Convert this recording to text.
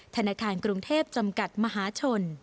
ธนาคารกรุงเทพจำกัดมหาชน